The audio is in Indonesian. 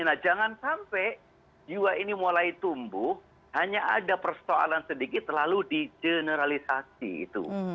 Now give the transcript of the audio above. nah jangan sampai jiwa ini mulai tumbuh hanya ada persoalan sedikit lalu di generalisasi itu